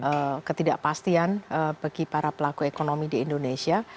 ada ketidakpastian bagi para pelaku ekonomi di indonesia